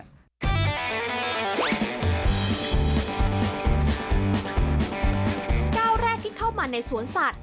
ก้าวแรกที่เข้ามาในสวนสัตว